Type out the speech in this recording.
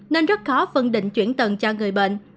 nên rất khó phân định chuyển tầng cho người bệnh